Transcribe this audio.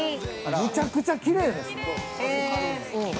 ◆むちゃくちゃきれいです。